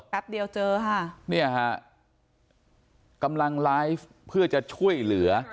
แป๊บเดียวเจอค่ะเนี่ยฮะกำลังไลฟ์เพื่อจะช่วยเหลือ